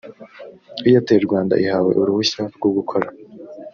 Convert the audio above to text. airtel rwanda ihawe uruhushya rwo gukora